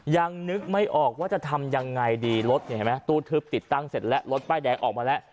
ยังนึกไม่ออกว่าจะทำยังไงดีรถเนี่ยเห็นไหมตู้ทึบติดตั้งเสร็จแล้วรถป้ายแดงออกมาแล้ว